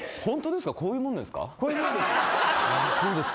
こういうもんです。